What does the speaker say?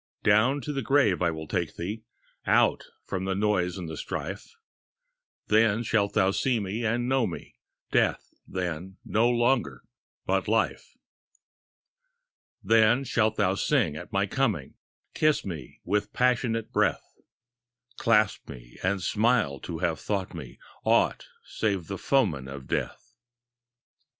Down to the grave will I take thee, Out from the noise of the strife; Then shalt thou see me and know me Death, then, no longer, but life. Then shalt thou sing at my coming. Kiss me with passionate breath, Clasp me and smile to have thought me Aught save the foeman of Death.